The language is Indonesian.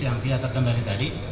yang tidak terkenal dari tadi